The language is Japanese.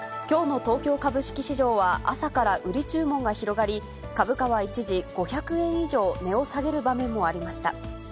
きょうの東京株式市場は、朝から売り注文が広がり、株価は一時、５００円以上値を下げる場面もありました。